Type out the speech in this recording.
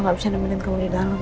nggak bisa nemenin kamu di dalam